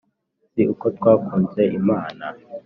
si uko twakunze Imana